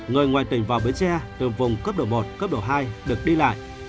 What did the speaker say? người ngoài tỉnh vào bến tre từ vùng cấp độ một cấp độ hai được đi lại